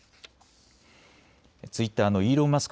ツイッターのイーロン・マスク